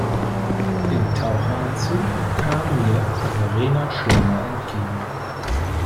Im Taucheranzug kam mir Verena Schlemmer entgegen.